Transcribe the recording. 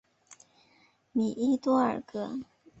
米伊多尔格。